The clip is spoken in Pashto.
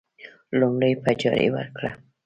لومړی: په اجارې ورکړه.